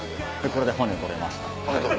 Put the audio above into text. これで骨取れました。